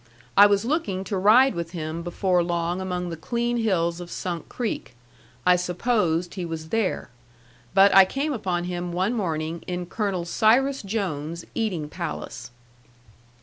I was looking to ride with him before long among the clean hills of Sunk Creek. I supposed he was there. But I came upon him one morning in Colonel Cyrus Jones's eating palace.